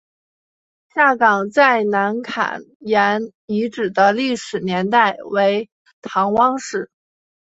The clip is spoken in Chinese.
下岗再南坎沿遗址的历史年代为唐汪式。